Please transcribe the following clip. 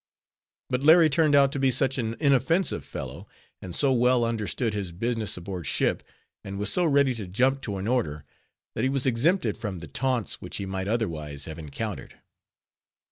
But Larry turned out to be such an inoffensive fellow, and so well understood his business aboard ship, and was so ready to jump to an order, that he was exempted from the taunts which he might otherwise have encountered.